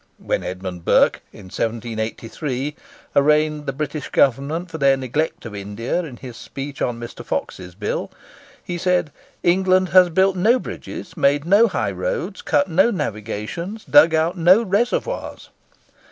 When Edmund Burke, in 1783, arraigned the British Government for their neglect of India in his speech on Mr. Fox's Bill, he said: "England has built no bridges, made no high roads, cut no navigations, dug out no reservoirs.